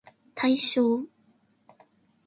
対象